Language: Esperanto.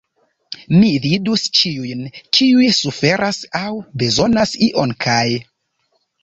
Mi vidus ĉiujn, kiuj suferas aŭ bezonas ion kaj.